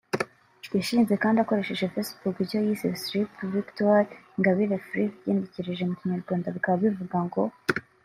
yashinze kandi akoresheje Facebook icyo yise« Slipp Victoire Ingabire Fri » (ugenekereje mu kinyarwanda bikaba bivuga ngo